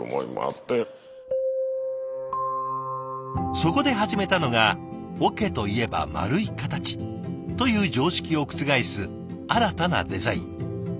そこで始めたのが「桶といえば円い形」という常識を覆す新たなデザイン。